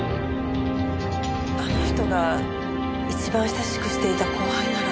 あの人が一番親しくしていた後輩なら。